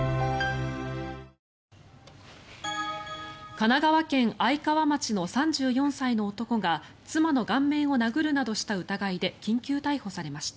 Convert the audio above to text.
神奈川県愛川町の３４歳の男が妻の顔面を殴るなどした疑いで緊急逮捕されました。